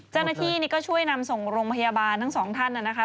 เจ้าหน้าที่นี่ก็ช่วยนำส่งโรงพยาบาลทั้งสองท่านนะคะ